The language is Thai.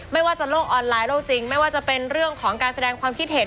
ไม่ว่าจะโลกออนไลน์โลกจริงไม่ว่าจะเป็นเรื่องของการแสดงความคิดเห็น